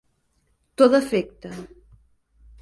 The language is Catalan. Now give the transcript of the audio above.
To d'efecte: